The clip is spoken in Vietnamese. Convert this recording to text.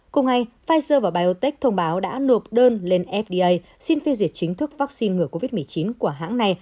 cùng ngày pfizer và biotech thông báo đã nộp đơn lên fda xin phê duyệt chính thức vaccine ngừa covid một mươi chín của hãng này